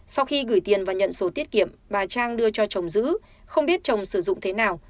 sau khi gửi tiền và nhận số tiết kiệm bà trang đưa cho chồng giữ không biết chồng sử dụng thế nào